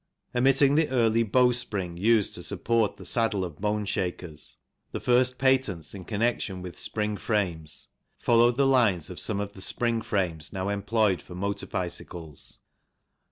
Omitting the early bow spring used to support the saddle of boneshakers, the first patents in connection with spring frames followed the lines of some of the spring frames now employed for motor bicycles.